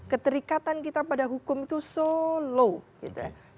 keterikatan kita pada hukum itu so low gitu ya